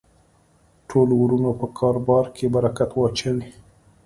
ټولو ورونو په کاربار کی برکت واچوی